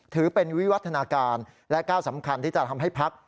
ถือเป็นวิวัฒนาการและก้าวสำคัญที่จะทำให้พัก